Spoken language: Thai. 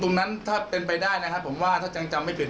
ตรงนั้นถ้าเป็นไปได้นะครับผมว่าถ้ายังจำไม่ผิด